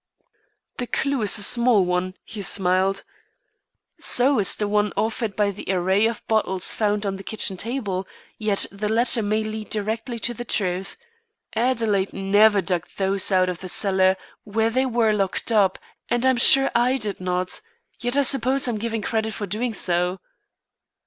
"The clew is a small one," he smiled. "So is the one offered by the array of bottles found on the kitchen table; yet the latter may lead directly to the truth. Adelaide never dug those out of the cellar where they were locked up, and I'm sure I did not. Yet I suppose I'm given credit for doing so."